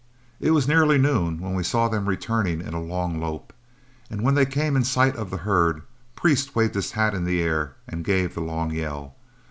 It was nearly noon when we saw them returning in a long lope, and when they came in sight of the herd, Priest waved his hat in the air and gave the long yell.